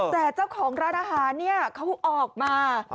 แต่เจ้าของร้านอาหารเนี่ยเขาออกมา